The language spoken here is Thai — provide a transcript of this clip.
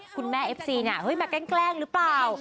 คุณแม่เอฟซีเนี่ยมาแกล้งแกล้งหรือเปล่า